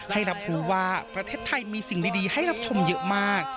ให้รับรู้ว่าประเทศไทยมีสิ่งดีให้รับชมเยอะมาก